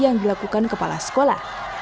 yang dilakukan kepala sekolah